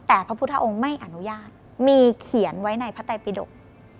แต่พระพุทธองค์ไม่อนุญาตมีเขียนไว้ในพระไตปิดก